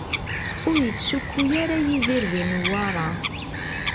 Ur yettcukku ara Yidir di Newwara.